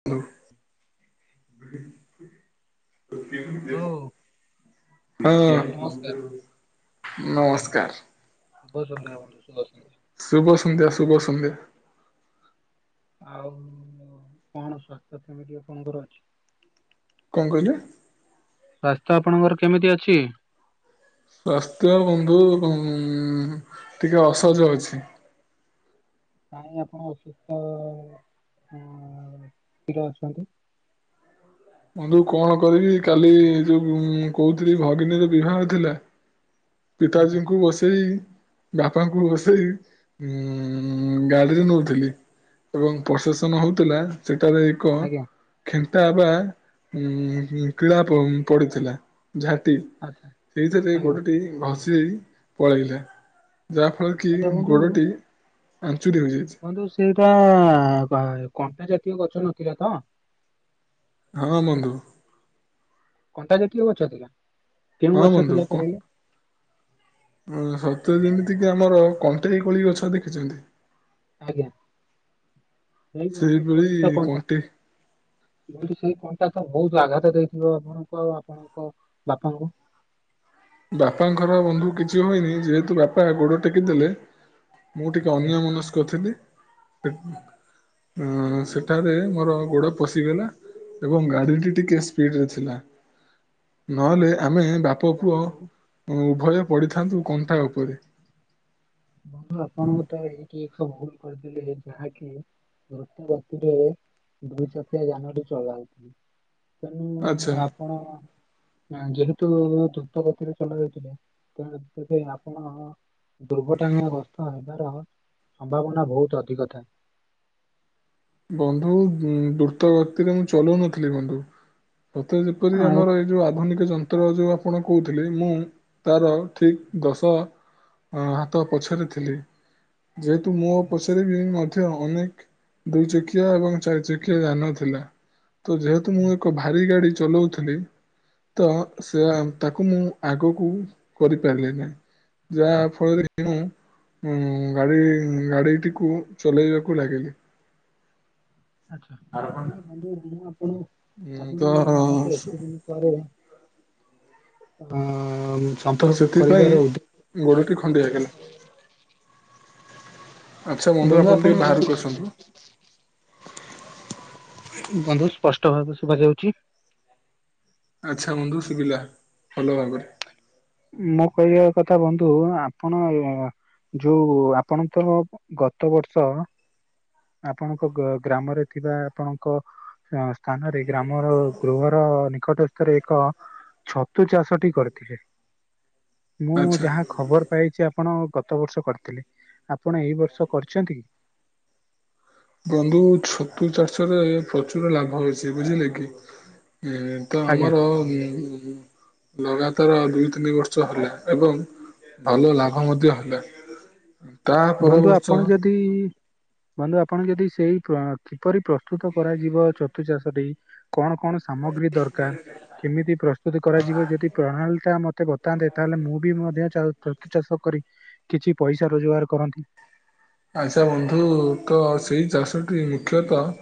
[unintelligible] ବନ୍ଧୁ ହଉ ବନ୍ଧୁ ନମସ୍କାର ହଉ। ନମସ୍କାର। ଶୁଭ ସନ୍ଧ୍ୟା ବନ୍ଧୁ ଶୁଭ ସନ୍ଧ୍ୟା। ଶୁଭ ସନ୍ଧ୍ୟା ଶୁଭ ସନ୍ଧ୍ୟା। ଆଉ କଣ ସ୍ୱାସ୍ଥ୍ୟ ଆପଣଙ୍କର କେମିତି ଅଛି? କଣ କହିଲେ? ସ୍ୱାସ୍ଥ୍ୟ ଆପଣଙ୍କର କେମିତି ଅଛି? ସ୍ୱାସ୍ଥ୍ୟ ବନ୍ଧୁ ଟିକେ ଅସଜ ଅଛି। [unintelligible] ଅ ଟିକେ ଅଛନ୍ତି ବନ୍ଧୁ କଣ କହିବି। କାଲି ଯୋଉ କହୁଥିଲି ଭଗିନୀର ବିବାହ ଥିଲା ଆଚ୍ଛା ପିତାଜୀଙ୍କୁ ବସେଇ। ବାପାଙ୍କୁ ବସେଇ ଗାଡିରେ ନଉଥିଲି। ଏବଂ ପ୍ରସେସନ ହଉଥିଲା ସେଠାରେ ଏକ ଆଜ୍ଞା ଖେଣ୍ଟା ବା କୀଳା ପଡିଥିଲା ଝାଟି। ଆଚ୍ଛା ସେଇଥିରେ ଆଜ୍ଞା ଗୋଡ ଟି ଘସି ହେଇ ପଳେଇଲା। ଯାହାଫଳରେ କି ଆଚ୍ଛା ଗୋଡଟି ଆଞ୍ଚୁଡ଼ି ହୋଇଯାଇଛି। କିନ୍ତୁ ସେଇଟା ଏ କଣ୍ଟା ଜାତୀୟ ଗଛ ନଥିଲା ତ? ହଁ ବନ୍ଧୁ। କଣ୍ଟା ଜାତୀୟ ଗଛ ଥିଲା। କେଉଁ ହଁ ଗଛ ବନ୍ଧୁ ଥିଲା କଣ କହିଲେ? ସତେ ଯେମିତି କି ଆମର କଣ୍ଟେଇ କୋଳି ଗଛ ଦେଖିଛନ୍ତି? ଆଜ୍ଞା, ସେଇଭଳି [unintelligible] କଣ୍ଟା। କଣ୍ଟେଇ ବନ୍ଧୁ ସେଇ କଣ୍ଟା ତ ବହୁତ ଆଘାତ ଦେଇଥିବ ଆପଣଙ୍କୁ ଆଉ ଆପଣଙ୍କ ବାପାଙ୍କୁ? ବାପାଙ୍କର ବନ୍ଧୁ କିଛି ହୋଇନି। ଯେହେତୁ ବାପା ଗୋଡ ଟେକି ଦେଲେ। ମୁଁ ଟିକେ ଆଜ୍ଞା। ଅନ୍ୟମନସ୍କ ଥିଲି। ଏ ସେଠାରେ ମୋର ଗୋଡ଼ ପଶିଗଲା। ଏବଂ ଗାଡିଟି ଟିକେ ସ୍ପିଡ୍ ରେ ଥିଲା। ନହେଲେ ଆଚ୍ଛା ଆମେ ବାପ ପୁଅ ବନ୍ଧୁ ଉଭୟ ପଢିଥାନ୍ତୁ କଣ୍ଟା ଉପରେ। ବନ୍ଧୁ ଆପଣଙ୍କୁ ତ ଏଇଠି ଏକ ଭୁଲ୍ କରିଦେଲେ ଯାହାକି ଦ୍ରୁତ ଗତିରେ ଦୁଇ ଚକିଆ ଯାନଟି ଚଲାଉଥିଲେ। ତେଣୁ ଆଚ୍ଛା ଆପଣ ଯେହେତୁ ଦ୍ରୁତ ଗତିରେ ଚଲାଉଥିଲେ ତେଣୁ କରି ଆପଣ ଦୁର୍ଘଟଣା ଗସ୍ତ ହେବାର ସମ୍ଭାବନା ବହୁତ ଅଧିକ ଥାଏ। ବନ୍ଧୁ ଦୁ ଦ୍ରୁତ ଗତିରେ ମୁଁ ଚଲଉନଥିଲି ବନ୍ଧୁ। ସତେ ଯେପରି ଆଉ ଆମର ଏଇ ଯଉ ଆଧୁନିକ ଯନ୍ତ୍ର ଯୋଉ ଆପଣ କହୁଥିଲେ ମୁଁ ତାର ଠିକ୍ ଦଶ ହଁ ହାତ ପଛରେ ଥିଲି। ଯେହେତୁ ମୁଁ ଆଜ୍ଞା ପଚାରିବି ମଧ୍ୟ ଅନେକ୍ ଦୁଇ ଚକିଆ ଏବଂ ଚାରି ଚକିଆ ଯାନ ଥିଲା। ତ ଯେହେତୁ ଆଜ୍ଞା ମୁଁ ଏକ ଭାରି ଗାଡ଼ି ଚଲଉଥିଲି ତ ସେ ଆ ତାକୁ ମୁଁ ଆଗକୁ କରିପାରିଲିନି। ଯାହା ଫଳରେ କି ଉଁ ଗାଡି ଗାଡିଟିକୁ ଚଲେଇବାକୁ ଲାଗିଲି। ଆଚ୍ଛା, ଆଛା ବନ୍ଧୁ ମୁଁ ଆପଣ ଉଁ, ତ ଆପଣ ମତେ ଏତେ ଦିନ ପରେ ଆ ତ ସେଥିପାଇଁ ଗୋଡ଼ଟି ଖଣ୍ଡିଆ ହେଇଗଲା। ଆଚ୍ଛା ବନ୍ଧୁ ଟିକେ ଆପଣ ବାହାରକୁ ଆସନ୍ତୁ ବନ୍ଧୁ ସ୍ପଷ୍ଟ ଭାବେ ଶୁଭାଯାଉଛି? ଆଚ୍ଛା ବନ୍ଧୁ ଶୁବିଲା ଭଲ ଭାବରେ। ମୋ କହିବା କଥା ବନ୍ଧୁ ଆପଣ ଯୋଉ ଆପଣ ତଃ ଗତ ବର୍ଷ ଆପଣଙ୍କ ଗ ଗ୍ରାମରେ ଥିବା ଆପଣଙ୍କ ସ୍ଥାନରେ ଗ୍ରାମର ଗୃହର ନିକଟସ୍ଥରେ ଏକ ଛତୁ ଚାଷଟି କରିଥିଲେ। ମୁଁ ଆଚ୍ଛା ଯାହା ଖବର ପାଇଛି ଆପଣ ଗତ ବର୍ଷ କରିଥିଲେ। ଆପଣ ଏଇ ବର୍ଷ କରିଛନ୍ତି କି? ବନ୍ଧୁ ଛତୁ ଚାଷ ରେ ପ୍ରଚୁର ଲାଭ ଅଛି ବୁଝିଲେ କି। ଏ ତ ଆଜ୍ଞା ଆମର ଉଁ - ଉଁ ଲଗାତର ଦୁଇ, ତିନି ବର୍ଷ ହେଲା ଏବଂ ଭଲ ଲାଭ ମଧ୍ୟ ହେଲା। ତା ପର ବନ୍ଧୁ ବର୍ଷ ଆପଣ ଯଦି ବନ୍ଧୁ ଆପଣ ଯଦି ସେଇ ପ କିପରି ପ୍ରସ୍ତୁତ କରାଯିବ ଛତୁ ଚାଷଟି କଣ କଣ ସାମଗ୍ରୀ ଦରକାର। କେମିତି ପ୍ରସ୍ତୁତ କରାଯିବ ଯଦି ପ୍ରଣାଳୀ ଟା ମ ମତେ ବତାନ୍ତେ ତାହେଲେ ମୁଁ ବି ମଧ୍ୟ ଚ ଚତୁ ଚାଷ କରି କିଛି ପଇସା ରୋଜଗାର କରନ୍ତି। ଆଚ୍ଛା ବନ୍ଧୁ ତ ସେଇ ଚାଷଟି ମୁଖ୍ୟତଃ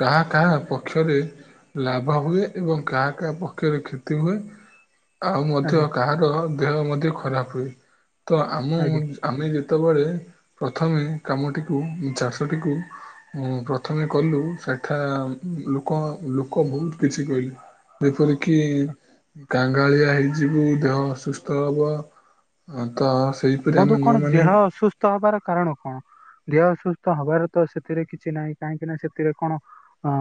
କାହା କାହା ପକ୍ଷରେ ଲାଭ ହୁଏ ଏବଂ କାହା କାହା ପକ୍ଷରେ କ୍ଷତି ହୁଏ। ଆଉ ମଧ୍ୟ ଆଜ୍ଞା କାହାର ଦେହ ମଧ୍ୟ ଖରାପ ହୁଏ ତ ଆମ ଆଜ୍ଞା ଆମେ ଯେତେବେଳେ ପ୍ରଥମେ କାମଟିକୁ ଚାଷଟିକୁ ପ୍ରଥମେ କଲୁ ସେଠା ଲୋକ ଲୋକ ବହୁତ କିଛି କହିଲେ? ଯେପରିକି କାଙ୍ଗାଳିଆ ହେଇଯିବୁ ଦେହ ଅସୁୁସ୍ଥ ହବ। ଆ ତ ସେଇପରି ଆମେ ବନ୍ଧୁ ନ କଣ ମାନି ଦେହ ଅସୁୁସ୍ଥ ହବାର କାରଣ କଣ? ଦେହ ଅସୁସ୍ଥ ହବାର ତ ସେଥିରେ କିଛି ନାହିଁ କାହିଁକି ନା ସେଥିରେ କଣ ଅ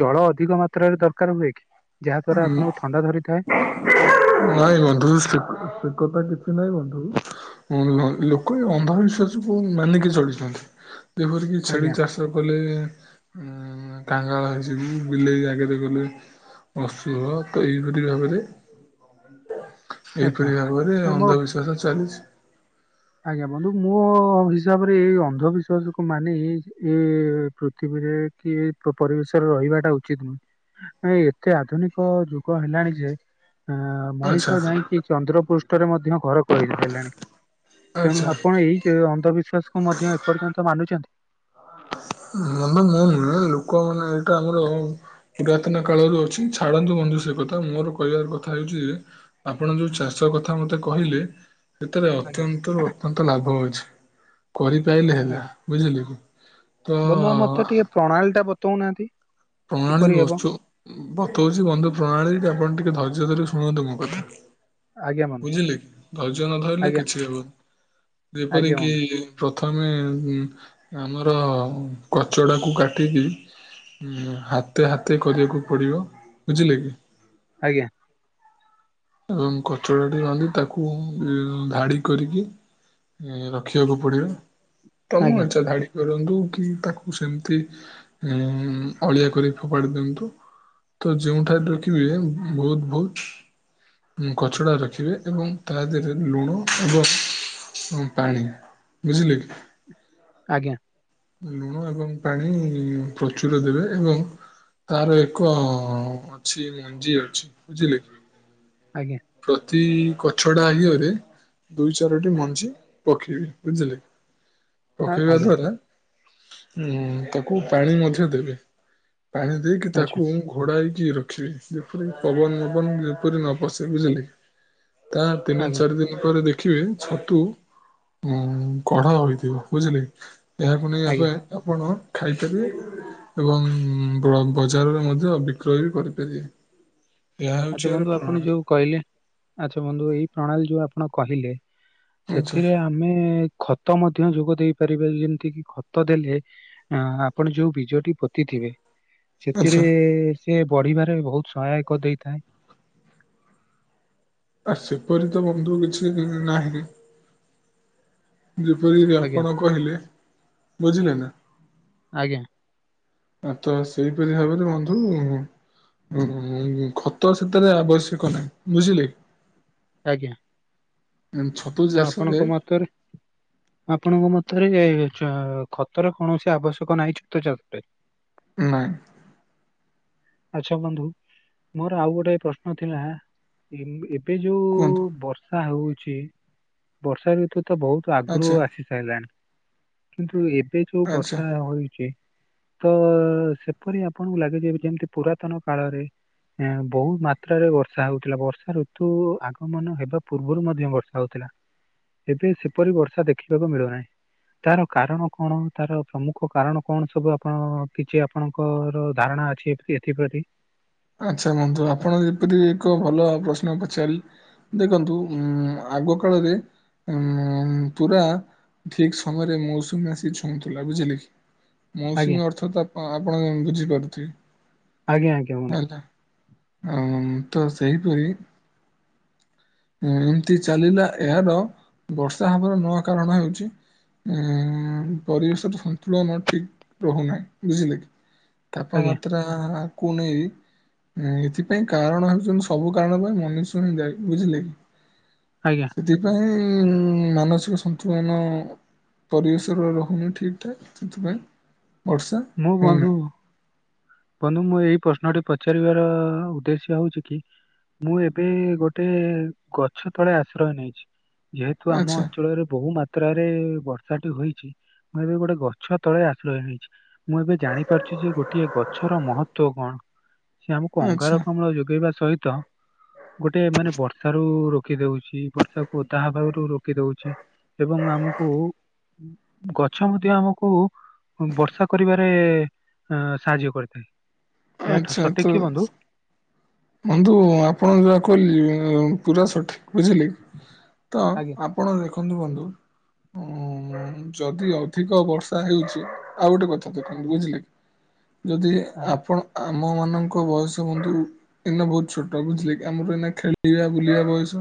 ଜଳ ଅଧିକ ମାତ୍ରାରେ ଦରକାର ହୁଏ କି ଯାହା ଦ୍ଵାରା ଆପଣଙ୍କୁ ଥଣ୍ଡା ଧରିଥାଏ? ନାଇଁ ବନ୍ଧୁ ସେଥା କିଛି ନାଇଁ ବନ୍ଧୁ ଲୋକ ଏ ଅନ୍ଧବିଶ୍ଵାସକୁ ମାନିକି ଚଳିଛନ୍ତି ଯେପରିକି ଛେଳି ଆଜ୍ଞା ଚାଷ କଲେ ଉମ କାଙ୍ଗାଳ ହେଇଯିବୁ ବିଲେଇ ଆଗରେ ଗଲେ। ଅଶୁଭ ତ ଏଇପରି ଭାବେରେ ଆଚ୍ଛା ଏହିପରି ଭାବରେ ନା ମୋ ଅନ୍ଧବିଶ୍ଵାସ ଚାଲିଛି। ଆଜ୍ଞା ବନ୍ଧୁ ମୋ ହିସାବରେ ଏଇ ଅନ୍ଧବିଶ୍ଵାସ କୁ ମାନି ଏ ପୃଥିବୀରେ କି ପରିବେଶରେ ରହିବାଟା ଉଚିତ ନୁହେଁ। ଏ ଏତେ ଆଧୁନିକ ଯୁଗ ହେଲାଣି ଯେ ଆ ଆଚ୍ଛା ମଣିଷ ଯାଇକି ଚନ୍ଦ୍ର ପୃଷ୍ଠରେ ମଧ୍ୟ ଘର କରି ସାରିଲାଣି। ତେଣୁ ଆଚ୍ଛା। ଆପଣ ଏଇ ଯେ ଅନ୍ଧବିଶ୍ୱାସକୁ ମଧ୍ୟ ଏପର୍ଯ୍ୟନ୍ତ ମାନୁଛନ୍ତି। ମୁ ନୁହେଁ ଲୋକମାନେ ଏଇଟା ଆମର ପୁରାତନ କାଳରୁ ଅଛି ଛାଡନ୍ତୁ ବନ୍ଧୁ ସେ କଥା ମୋର କହିବାର କଥା ହେଉଛି ଯେ ଆପଣ ଯୋଉ ଚାଷ କଥା ମତେ କହିଲେ? ସେଥିରେ ଆଜ୍ଞା ଅତ୍ୟନ୍ତରୁ ଅତ୍ୟନ୍ତ ଲାଭ ଅଛି କରିପାରିଲେ ହେଲା ଆଜ୍ଞା ବୁଝିଲେ କି? ତ ବନ୍ଧୁ ଆ ମୋତେ ଟିକେ ପ୍ରଣାଳୀଟା ବତଉନାହାନ୍ତି। ପ୍ରଣାଳୀ କିପରି ହେବ ବତାଉଛି ବନ୍ଧୁ ପ୍ରଣାଳୀ ଆପଣ ଟିକେ ଧୈର୍ଯ୍ୟ ଧରିିକି ଶୁଣନ୍ତୁ ମୋ କଥା। ଆଜ୍ଞା ବନ୍ଧୁ ବୁଝିଲେ କି ଧୈର୍ଯ୍ୟ ନ ଧରିଲେ ଆଜ୍ଞା କିଛି ହେବନି ଯେପରି ଆଜ୍ଞା କି? ବନ୍ଧୁ ପ୍ରଥମେ ଆମର କଚଡ଼ାକୁ କାଟିକି ହାତେ ହାତେ କରିବାକୁ ପଡ଼ିବ ବୁଝିଲେ କି? ଆଜ୍ଞା। ଏବଂ କଚଡ଼ାଟି ବାନ୍ଧି ତାକୁ ଉ ଧାଡି କରିକି ଉମ ରଖିବାକୁ ପଡ଼ିବ। ତମ ଆଜ୍ଞା ଇଛା ଧାଡି କରନ୍ତୁ କି ତାକୁ ସେମିତି ଉମ ଅଳିଆ କରି ଫୋପାଡି ଦିଅନ୍ତୁ ତ ଯୋଉଠାରେ ରଖିବେ ବହୁତ ବହୁତ କଚଡ଼ା ରଖିବେ ଏବଂ ତା ଦେହରେ ଲୁଣ ଏବଂ ହଁ ପାଣି ବୁଝିଲୁ କି? ଆଜ୍ଞା। ଲୁଣ ଏବଂ ପାଣି ପ୍ରଚୁର ଦେବେ ଏବଂ ତାର ଏକ ଅଛି ମଞ୍ଜି ଅଛି ବୁଝିଲେ କି? ଆଜ୍ଞା। ପ୍ରତି ଗଛଟା ହିଅରେ ଦୁଇ ଚାରୋଟି ମଞ୍ଜି ପକେଇବେ ବୁଝିଲେ ଆ- ପକେଇବା ଆଜ୍ଞା ଦ୍ଵାରା ହୁଁ ତାକୁ ପାଣି ମଧ୍ୟ ଦେବେ ପାଣି ଦେଇକି ଆଚ୍ଛା ତାକୁ ଘୋଡ଼ାଇକି ରଖିଲି ଯେପରି ପବନ ପବନ ଯେପରି ନ ବସେ ବୁଝିଲେ ତା ତିନି ଆଜ୍ଞା ଚାରଦିନ। ତାପରେ ଦେଖିବେ, ଛତୁ ଉ କଢ ହୋଇଥିବ ବୁଝିଲେ? ଫୁଣି ଆଜ୍ଞା ଏବେ ଆପଣ ଖାଇଛନ୍ତି? ଏବଂ ବ୍ର ବଜାରରେ ମଧ୍ୟ ବିକ୍ରୟ ବି କରିପାରିବେ। ଏହା ହେଉଛି ଆଚ୍ଛା, ଏହାର ବନ୍ଧୁ ଆପଣ ପ୍ରଣାଳୀ ଯୋଉ କହିଲେ, ଆଚ୍ଛା ବନ୍ଧୁ ଏଇ ପ୍ରଣାଳୀ ଯୋଉ ଆପଣ କହିଲେ ଆଚ୍ଛା ସେଥିରେ ଆମେ ଖତ ମଧ୍ୟ ଯୋଗ ଦେଇ ପାରିବା, ଯେମିତି କି ଖତ ଦେଲେ ଆଁ ଆପଣ ଯୋଉ ବୀଜ ଟି ପୋତିଥିବେ ସେଥିରେ ଆଚ୍ଛା ସେ ବଢିବାରେ ବହୁତ ସହାୟକ ଦେଇଥାଏ। ଆ ସେପରି ତ ବନ୍ଧୁ କିଛି ନାହିଁ। ଯେପରିକି ଆଜ୍ଞା ଆପଣ କହିଲେ, ବୁଝିଲେ ନା? ଆଜ୍ଞା ଆତ ସେଇପରି ଭାବରେ ବନ୍ଧୁ ଓ, ଖତ ସେଥିରେ ଆବଶ୍ୟକ ନାହିଁ ବୁଝିଲେ। ଆଜ୍ଞା। ଉଁ ଛ ତ ଆପଣଙ୍କ ମତରେ ଆପଣଙ୍କ ମତରେ ଚା ଖତର କୌଣସି ଆବଶ୍ୟକ ନାହିଁ ଛତୁ ଚାଷରେ। ନହିଁ। ଆଚ୍ଛା, ବନ୍ଧୁ ମୋର ଆଉ ଗୋଟେ ପ୍ରଶ୍ନ ଥିଲା, ଏବେ ଯୋଉ କୁହନ୍ତୁ ବଷ ଷା ହଉଛି, ବର୍ଷା ଋତୁ ତ ବହୁତ ଆଗରୁ ଆଚ୍ଛା ଆସି ସାଇଲାଣି। କିନ୍ତୁ ଏବେ ଯୋଉ ଆଚ୍ଛା ବର୍ଷା ହୋଇଛି। ତ ସେପରି ଆପଣଙ୍କୁ ଲାଗେଯେ, ଯେମିତି ପୁରାତନ କାଳରେ ଏଁ ବହୁତ ମାତ୍ରାରେ ବର୍ଷା ହଉଥିଲା, ବର୍ଷା ଋତୁ ଆଗମନ ହେବା ପୂର୍ବରୁ ମଧ୍ୟ ବର୍ଷ ହଉଥିଲା, ଏବେ ସେପରି ବର୍ଷା ଦେଖିବାକୁ ମିଳୁନାହିଁ। ତାର କାରଣ, କଣ ତାର ପ୍ରମୁଖ କାରଣ, କଣ ସବୁ ଆପଣ କିଛି ଆପଣ ଙ୍କର ଧାରଣା ଅଛି [unintelligible] ଏଥିପ୍ରତି ଆଚ୍ଛା, ବନ୍ଧୁ ଆପଣ ଯେପରି ଏକ ଭଲ ପ୍ରଶ୍ନ ପଚାରିଲେ ଦେଖନ୍ତୁ ଉଁ ଆଗ କାଳରେ ଉଁ ପୁରା ଠିକ ସମୟରେ ମୌସୁମୀ ଆସି ଛୁଁଥିଲା ବୁଝିଲେ କି? ଆଜ୍ଞା ମୌସୁମୀ ଅର୍ଥ ତ ଆ ଆପଣ ବୁଝିପାରୁଥିବେ? ଆଜ୍ଞ, ଆଜ୍ଞା। ବନ୍ଧୁ ଆଁ ମୁତ ସେହିପରି ଏମତି ଚାଲିଲା ଏହାର ବର୍ଷା ହବାର ନୂଆ କାରଣ ହେଉଛି। ଏ ପରିବେଶ ସନ୍ତୁଳନ ଠିକ ରହୁନାହିଁ, ବୁଝିଲେ? ଆଜ୍ଞା ତାପମାତ୍ରା କୁ ନେଇ ଏ ଏଥିପାଇଁ କାରଣ ହେଉଛନ୍ତି ସବୁ କାରଣ ପାଇଁ ମନୁଷ୍ୟ ହିଁ ଦାଇ, ବୁଝିଲେ କି? ଆଜ୍ଞା। ସେଥିପାଇଁ ମାନସିକ ସନ୍ତୁଳନ ପରିବେଶରେ ରହୁନି ଠିକ ଠାକ୍, ସେଥିପାଇଁ ବର୍ଷା ମୁଁ ବନ୍ଧୁ ହଉନାହିଁ। ବନ୍ଧୁ ମୁଁ ଏଇ ପ୍ରଶ୍ନଟି ପଚାରିବାର ଉଦ୍ଦେଶ୍ୟ ହଉଛି କି? ମୁଁ ଏବେ ଗୋଟେ ଗଛ ତଳେ ଆଶ୍ରୟ ନେଇଛି। ଯେହେତୁ ଆମ ଆଚ୍ଛା ଅଞ୍ଚଳରେ ବହୁ ମାତ୍ରାରେ ବର୍ଷା ଟି ହୋଇଛି। ମୁଁ ଏବେ ଗୋଟେ ଗଛ ତଳେ ଆଶ୍ରୟ ହେଇଛି, ମୁଁ ଏବେ ଜାଣିପାରୁଛି ଯେ ଗୋଟିଏ ଗ ଛର ମହତ୍ୱ କଣ, ସେ ଆମକୁ ଆଚ୍ଛା ଅଙ୍ଗାର କାମ୍ଳ ଯୋଗେଇବା ସହିତ ଗୋଟେ ମାନେ ବର୍ଷା ରୁ ରଖି ଦଉଛି, ବର୍ଷାକୁ ଓଦା ହବାରୁ ରୋକି ଦଉଛି, ଏବଂ ଆମକୁ ଗଛ ମଧ୍ୟ ଆମକୁ ବର୍ଷା କରିବାରେ, ଆ ସାହାଯ୍ୟ କରେ ଏହା ଆଚ୍ଛା ତ ସଠିକ କି ବନ୍ଧୁ ବନ୍ଧୁ ଆପଣ ଯାହା କହିଲେ ପୁରା ସଠିକ ବୁଝିଲେ ତ ଆଜ୍ଞା ଆପଣ ଦେଖନ୍ତୁ ବନ୍ଧୁ ଯଦି ଅଧିକ ବର୍ଷା ହେଉଛି। ଆଉ ଗୋଟେ କଥା ଦେଖନ୍ତୁ ଆଜ୍ଞା ବୁଝିଲେ କି ଯଦି ଆଜ୍ଞା ଆପଣ। ଆମମାନଙ୍କ ବୟସ ବନ୍ଧୁ। ଏଇନା ବହୁତ ଛୋଟ ବୁଝିଲେ କି ଆମର ଏଇନା ଖେଳିବା ବୁଲିବା ବୟସ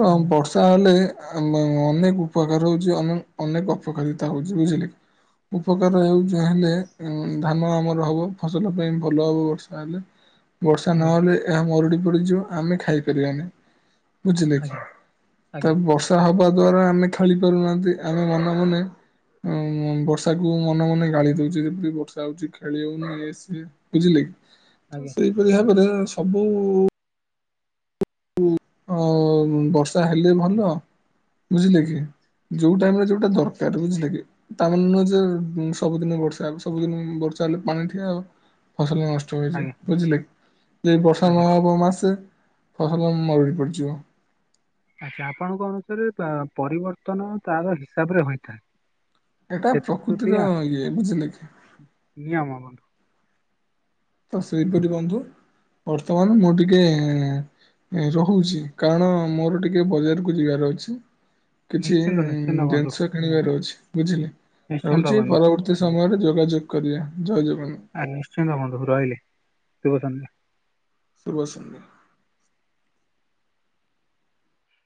ତ ଆଜ୍ଞା ବ। ତାହେଲେ ଅନେକ ଉପକାର ହଉଛି ଅନ ଅନେକ ଅପକାରିତା ହଉଛି ବୁଝିଲେ କି। ଉପକାର ହେଉ ଆଜ୍ଞା ଯାହେଲେ ଧାନ ଆମର ହବ ଫସଲ ପାଇଁ ଭଲ ହେବ ବର୍ଷା ହେଲେ। ବର୍ଷା ଆଜ୍ଞା ନହେଲେ ଏହା ମରୁଡି ପଡିଯିବ ଆମେ ଖାଇପାରିବାନି। ବୁଝିଲେ ଆଜ୍ଞା। କି ତା ଆଜ୍ଞା ବର୍ଷା ହବା ଦ୍ଵାରା ଆମେ ଖେଳି ପାରୁନାହାନ୍ତି ଆମେ ମନେ ମନେ। ବର୍ଷାକୁୁ ମନେ ମନେ ଗାଳି ଦଉଛି ଯେବେ ବର୍ଷା ହଉଛି ଖେଳି ହଉନି ଏଇ ସିଏ। ବୁଝିଲେ କି ତ ଆଜ୍ଞା ସେଇପରି ଭାବରେ ସବୁ। ହ ବର୍ଷା ହେଲେ ଭଲ। ବୁଝିଲେ କି ଯୋଉ ଟାଇମରେ ଯୋଉଟା ଦରକାର ବୁଝିଲେ କି ତାମାନେ ନୁହଁ ଯେ। ସବୁଦିନ ବର୍ଷା ହବ ସବୁଦିନ ବର୍ଷା ହେଲେ ପାଣି ଠିଆ ହବ ଫସଲ ନଷ୍ଟ। ଆଜ୍ଞା ବୁଝିଲେ ଯେ ବର୍ଷା ଆଜ୍ଞା ନହବ ମାସେ ଫସଲ ମରୁଡ଼ି ପଡିଯିବ। ଆଚ୍ଛା ଆପଣଙ୍କ ଅନୁସାରେ ପରିବର୍ତ୍ତନ ତାର ହିସାବ ରେ ହୋଇଥାଏ। ଏଇଟା ସେଥିପ୍ରତି ପ୍ରକୃତିର ଇଏ ବୁଝିଲେ କି। ନିୟମାବନ। ତ ସେଇପରି ବନ୍ଧୁ ବର୍ତ୍ତମାନ ମୁଁ ଟିକେ। ରହୁଛି କାରଣ ମୋର ଟିକେ ବଜାରକୁ ଯିବାର ଅଛି। କିଛି ନିଶ୍ଚିନ୍ତ ନିଶ୍ଚିନ୍ତ ବନ୍ଧୁ ଜିନିଷ। କିଣିବାର ଅଛି ବୁଝିଲେ ନିଶ୍ଚିନ୍ତ ରହୁଛି ବନ୍ଧୁ ପରବର୍ତ୍ତୀ ସମୟରେ ଯୋଗାଯୋଗ କରିବା ଜୟ ଜଗନ୍ନାଥ। ଆଜ ନିଶ୍ଚିନ୍ତ ବନ୍ଧୁ ରହି ଲି ଶୁଭ ସନ୍ଧ୍ୟା। ଶୁଭ ସନ୍ଧ୍ୟା।